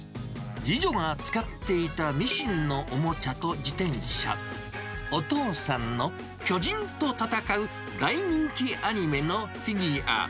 次女が使っていたミシンのおもちゃと自転車、お父さんの巨人と戦う大人気アニメのフィギュア。